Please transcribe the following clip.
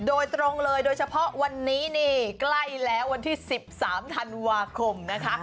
โดยตรงเลยโดยเฉพาะวันนี้นี่ใกล้แล้ววันที่๑๓ธันวาคมนะคะ